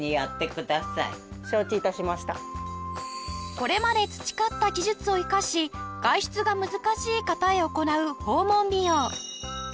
これまで培った技術を生かし外出が難しい方へ行う訪問美容